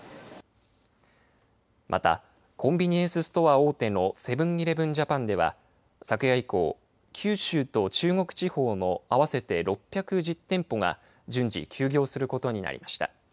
またコンビニエンスストア大手のセブン−イレブン・ジャパンでは昨夜以降九州と中国地方の合わせて６１０店舗が順次、休業することになりました。